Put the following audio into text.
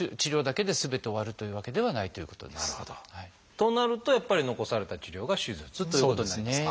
となるとやっぱり残された治療が「手術」ということになりますか。